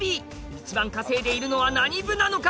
一番稼いでいるのは何部なのか？